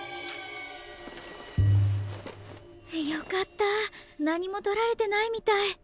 よかった何もとられてないみたい。